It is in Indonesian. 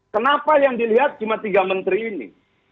kenapa yang dilihat cuma tiga menteri ini